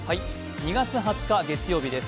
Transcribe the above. ２月２０日月曜日です。